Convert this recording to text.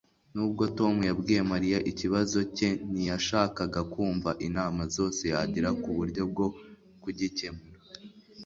Nubwo Tom yabwiye Mariya ikibazo cye ntiyashakaga kumva inama zose yagira ku buryo bwo kugikemura